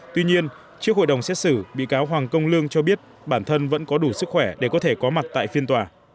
tuy nhiên trước hội đồng xét xử bị cáo hoàng công lương cho biết bản thân vẫn có đủ sức khỏe để có thể có mặt tại phiên tòa